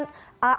apakah setelah itu